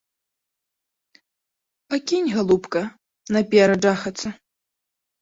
Пакінь, галубка, наперад жахацца!